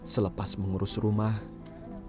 selepas mengurus rumahnya